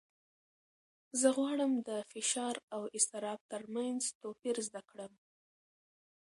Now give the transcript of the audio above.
زه غواړم د فشار او اضطراب تر منځ توپیر زده کړم.